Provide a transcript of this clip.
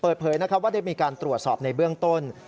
เปิดเผยว่าได้มีการตรวจสอบในเบื้องต้น